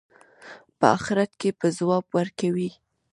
په آخرت کې به ځواب ورکوي.